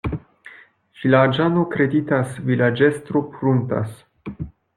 Vilaĝano kreditas, vilaĝestro pruntas.